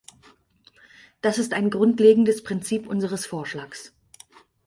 Das ist ein grundlegendes Prinzip unseres Vorschlags.